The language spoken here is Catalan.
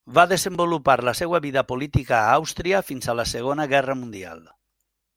Va desenvolupar la seva vida política a Àustria fins a la Segona Guerra Mundial.